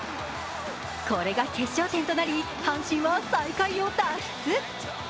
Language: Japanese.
これが決勝点となり阪神は最下位を脱出。